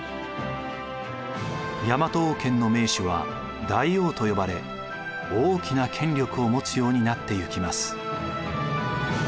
大和王権の盟主は大王と呼ばれ大きな権力を持つようになっていきます。